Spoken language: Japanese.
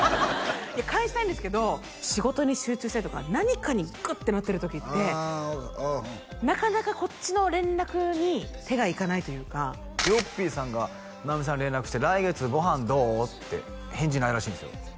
返したいんですけど仕事に集中したりとか何かにグッてなってる時ってなかなかこっちの連絡に手が行かないというかＹＯＰＰＹさんが直美さんに連絡して「来月ご飯どう？」って返事ないらしいんですよ